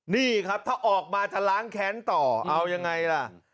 นี่ครับถ้าออกมาจะล้างแค้นต่อเอายังไงล่ะ